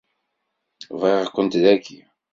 Bɣiɣ-kent dagi.